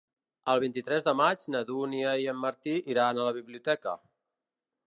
El vint-i-tres de maig na Dúnia i en Martí iran a la biblioteca.